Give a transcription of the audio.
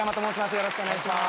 よろしくお願いします。